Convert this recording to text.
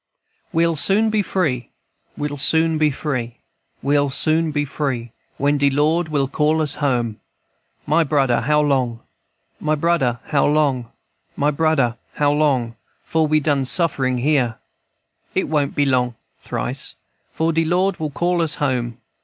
"We'll soon be free, We'll soon be free, We'll soon be free, When de Lord will call us home. My brudder, how long, My brudder, how long, My brudder, how long, 'Fore we done sufferin' here? It won't be long (Thrice.) 'Fore de Lord will call us home.